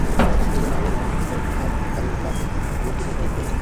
এ জন্যে আমি ইমরানের পুত্র মূসা কালীমুল্লাহকে তোমার খিদমতে নিয়োগ করেছি।